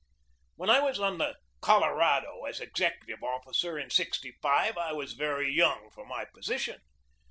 When I was on the Colorado as executive officer in '65 I was very young for my position.